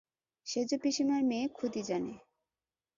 সেজোপিসিমার মেয়ে খুদি জানে।